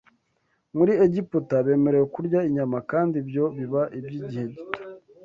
muri Egiputa bemerewe kurya inyama, kandi ibyo biba iby’igihe gito